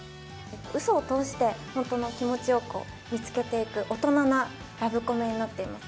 嘘を通して本当の気持ちを見つけていく大人なラブコメになっています。